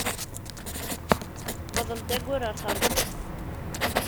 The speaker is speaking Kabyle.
Ɣḍel-d agur ɣer terbut.